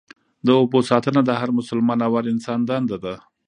د اوبو ساتنه د هر مسلمان او هر انسان دنده ده.